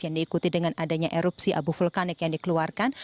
yang diikuti dengan adanya erupsi abu vulkanik yang dikeluarkan